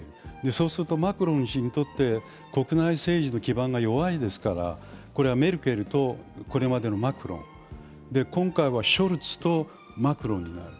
そうすると、マクロン氏にとって、国内政治の基盤が弱いですから、メルケルとこれまでのマクロン、今回はショルツとマクロンになる。